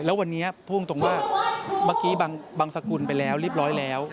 แล้ววันนี้พูดตรงว่าเมื่อกี้บางสกุลไปแล้วเรียบร้อยแล้ว